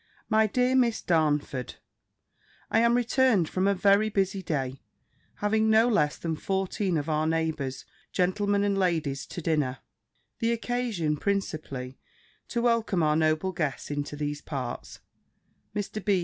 My dear Miss Darnford, I am returned from a very busy day, having had no less than fourteen of our neighbours, gentlemen and ladies, to dinner: the occasion, principally, to welcome our noble guests into these parts; Mr. B.